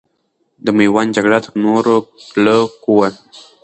د میوند جګړه تر نورو کلکو وه.